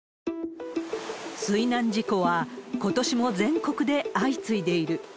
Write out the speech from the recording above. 水難事故は、ことしも全国で相次いでいる。